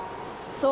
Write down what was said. そう。